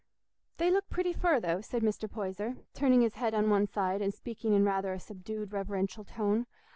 "They look pretty fur, though," said Mr. Poyser, turning his head on one side and speaking in rather a subdued reverential tone.